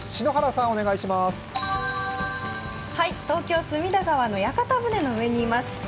東京・隅田川の屋形船の上にいます。